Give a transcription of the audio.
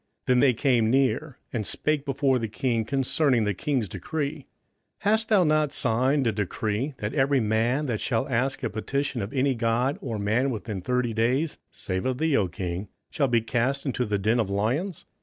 27:006:012 Then they came near, and spake before the king concerning the king's decree; Hast thou not signed a decree, that every man that shall ask a petition of any God or man within thirty days, save of thee, O king, shall be cast into the den of lions?